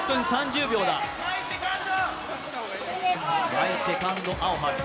「マイ・セカンド・アオハル」